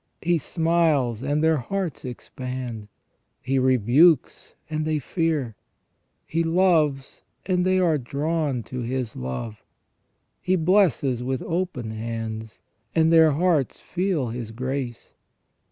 He smiles and their hearts expand ; He rebukes, and they fear. He loves, and they are drawn to His love. He blesses with open hands, and their hearts feel His grace.